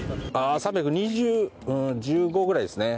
３２０３１５ぐらいですね。